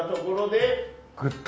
グッと。